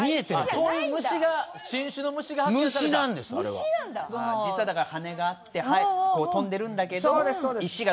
そういう虫が新種の虫が虫なんですあれは実は羽があって飛んでるんだけどそうです